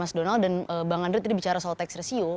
mas donald dan bang andre tadi bicara soal tax ratio